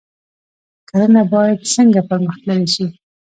کرنه باید څنګه پرمختللې شي؟